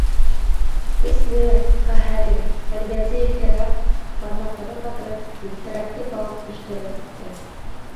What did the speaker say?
Көслө, ҡәһәрең, тәрбиәсе елкәгә бармаҡтарын батырып, елтерәтеп алып төштө лә китте.